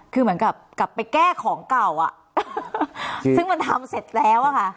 คือเหมือนกับไปแก้ของเก่าสิซึ่งทำเสร็จแล้วค่ะ